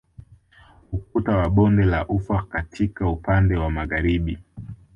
Ukuta wa bonde la ufa katika upande wa Magharibi